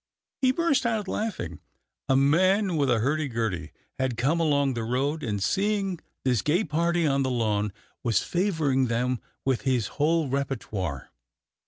He burst out laughing. A man with a hurdy gurdy had come along the road, and, seeing this gay party on the lawn, was favouring them with his whole repertoire.